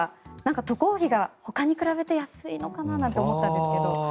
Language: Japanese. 渡航費がほかに比べて安いのかななんて思ったんですけど。